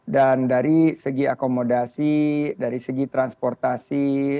dan dari segi akomodasi dari segi transportasi